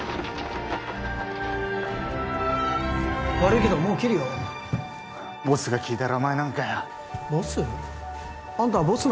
悪いけどもう切るよボスが聞いたらお前なんかよボス？